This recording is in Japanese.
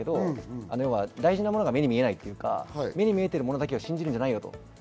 大事なものが目に見えないというか、目に見えてるものだけを信じるんじゃないよと。